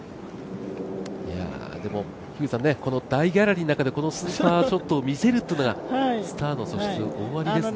でもこの大ギャラリーの中、このスーパーショットを見せるっていうのがスターの素質、大ありですね。